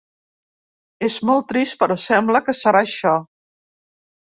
És molt trist, però sembla que serà això.